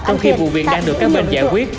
trong khi vụ việc đang được các bên giải quyết